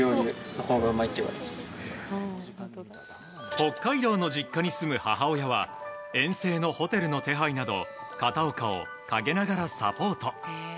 北海道の実家に住む母親は遠征のホテルの手配など片岡を陰ながらサポート。